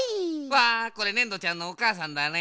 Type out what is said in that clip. わこれねんどちゃんのおかあさんだね。